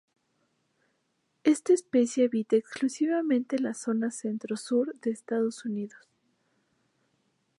Esta especie habita exclusivamente la zona centro-sur de Estados Unidos.